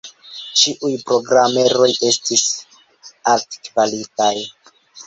Ĉiuj programeroj estis altkvalitaj.